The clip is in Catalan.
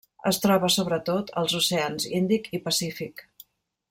Es troba, sobretot, als oceans Índic i Pacífic.